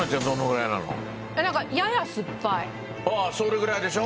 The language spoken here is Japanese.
ああそれぐらいでしょ？